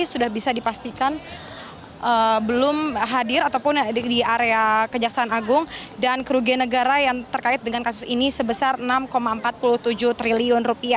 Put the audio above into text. sudah bisa dipastikan belum hadir ataupun di area kejaksaan agung dan kerugian negara yang terkait dengan kasus ini sebesar rp enam empat puluh tujuh triliun